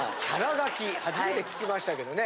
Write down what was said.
書き初めて聞きましたけどね。